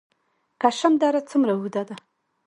کشم دره څومره اوږده ده؟